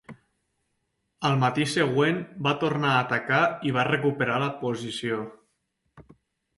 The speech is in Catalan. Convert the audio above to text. Al matí següent va tornar a atacar i va recuperar la posició.